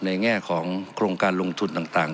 แง่ของโครงการลงทุนต่าง